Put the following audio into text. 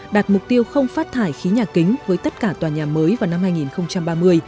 đạt mục tiêu không phát thải khí nhà kính với tất cả tòa nhà mới vào năm hai nghìn ba mươi